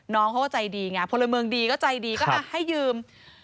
น้องเขาก็ใจดีไงพลเมืองดีก็ใจดีก็ให้ยืม